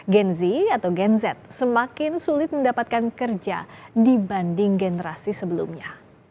gen z semakin sulit mendapatkan kerja dibanding generasi sebelumnya